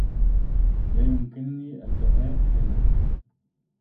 لا يمكنني البقاء هنا.